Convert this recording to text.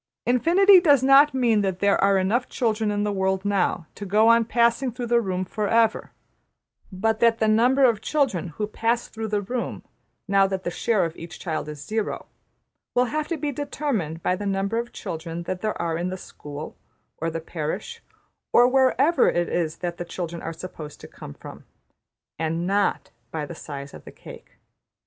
Infinity does not mean that there are enough children in the world now to go on passing through the room \emph{for ever}, but that the number of children who pass through the room, now that the share of each child is 0 (zero), will have to be determined by the number of children that there are in the school, or the parish, or wherever it is that the children are supposed to come from; \emph{and not by the size of the cake}.